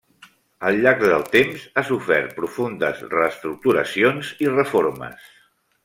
Al llarg del temps ha sofert profundes reestructuracions i reformes.